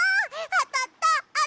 あたった！